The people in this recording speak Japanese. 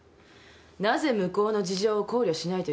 なぜ向こうの事情を考慮しないといけないんです？